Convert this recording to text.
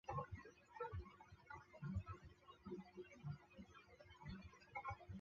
这些措施导致许多积极份子离职。